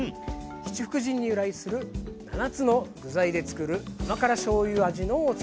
七福神に由来する７つの具材でつくる甘辛しょうゆ味のお漬物です。